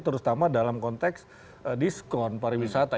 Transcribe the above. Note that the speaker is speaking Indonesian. terutama dalam konteks diskon pariwisata